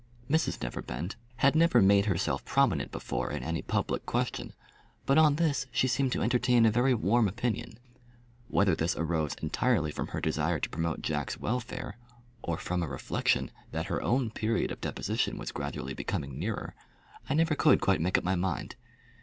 Mrs Neverbend had never made herself prominent before in any public question; but on this she seemed to entertain a very warm opinion. Whether this arose entirely from her desire to promote Jack's welfare, or from a reflection that her own period of deposition was gradually becoming nearer, I never could quite make up my mind.